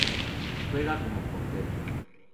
Juega como portero.